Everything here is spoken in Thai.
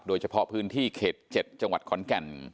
โดยเฉพาะพื้นที่เขต๗จังหวัดขอนแก่น